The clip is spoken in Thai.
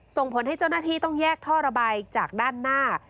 ส่งผลให้เจ้าหน้าที่ต้องแยกท่อระบายจากด้านหน้า